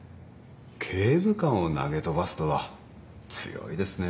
刑務官を投げ飛ばすとは強いですね。